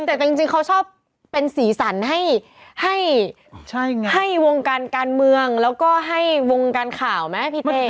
แต่จริงเขาชอบเป็นสีสันให้วงการการเมืองแล้วก็ให้วงการข่าวไหมพี่เต้